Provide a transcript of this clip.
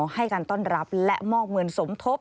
ให้การต้อนรับและมอบเงินสมทบ